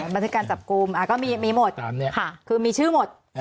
บันทึกการจับกลุ่มอ่าก็มีมีหมดตามเนี้ยค่ะคือมีชื่อหมดอ่า